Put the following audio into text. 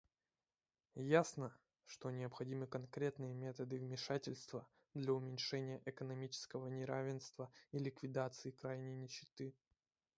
Ясно, что необходимы конкретные меры вмешательства для уменьшения экономического неравенства и ликвидации крайней нищеты.